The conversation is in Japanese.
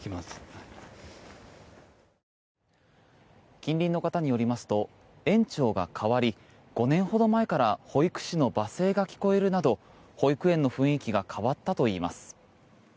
近隣の方によりますと園長が代わり５年ほど前から保育士の罵声が聞こえるなど保育園の雰囲気が変わったといいます。